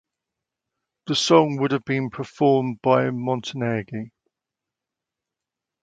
The song would have been performed by Montaigne.